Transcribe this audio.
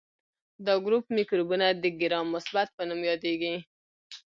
دا ګروپ مکروبونه د ګرام مثبت په نوم یادیږي.